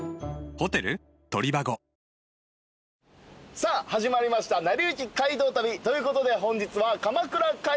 さあ始まりました『なりゆき街道旅』ということで本日は。